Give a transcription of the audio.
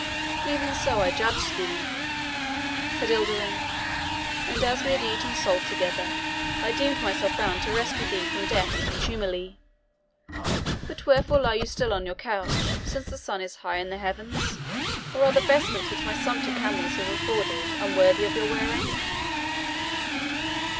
"Even so I judged thee," said Ilderim; "and as we had eaten salt together, I deemed myself bound to rescue thee from death and contumely. But wherefore lie you still on your couch, since the sun is high in the heavens? or are the vestments which my sumpter camels have afforded unworthy of your wearing?"